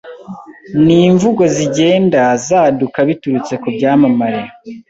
Ni imvugo zigenda zaduka biturutse ku byamamare